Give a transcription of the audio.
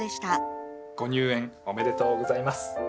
ご入園おめでとうございます。